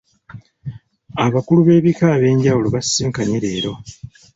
Abakulu b'ebika ab'enjawulo baasisinkanye leero.